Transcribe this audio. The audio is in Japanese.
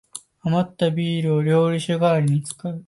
あまったビールを料理酒がわりに使う